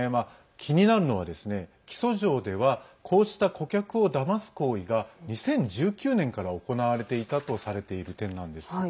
気になるのは、起訴状ではこうした顧客をだます行為が２０１９年から行われていたとされている点なんです。